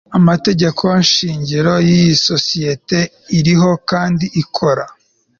amategeko shingiro y isosiyete iriho kandi ikora